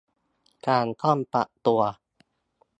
การต้องปรับตัว